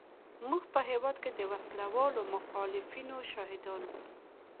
موږ په هېواد کې د وسله والو مخالفینو شاهدان وو.